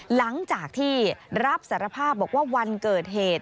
หลังจากที่รับสารภาพบอกว่าวันเกิดเหตุ